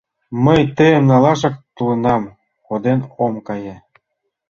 Мый тыйым налашак толынам, коден ом кае.